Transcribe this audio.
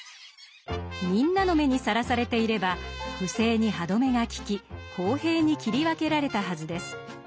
みんなの目にさらされていれば不正に歯止めが利き公平に切り分けられたはずです。